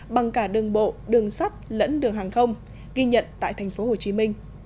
bằng cả đường bộ đường sắt lẫn đường hàng không ghi nhận tại tp hcm